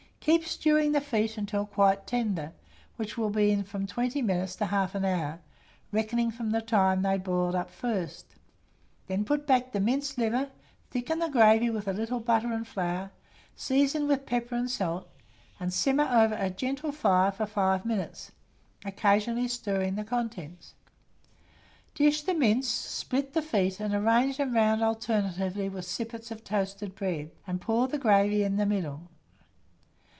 Keep stewing the feet until quite tender, which will be in from 20 minutes to 1/2 hour, reckoning from the time that they boiled up first; then put back the minced liver, thicken the gravy with a little butter and flour, season with pepper and salt, and simmer over a gentle fire for 5 minutes, occasionally stirring the contents. Dish the mince, split the feet, and arrange them round alternately with sippets of toasted bread, and pour the gravy in the middle.